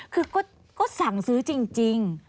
คือก็สั่งซื้อจริง